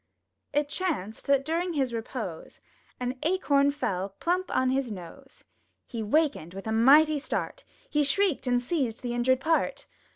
It chanced that during his repose. An Acorn fell plump on his nose! He wakened with a mighty start; He shrieked and seized the injured part!